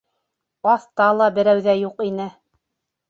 Аҫта ла берәү ҙә юҡ ине.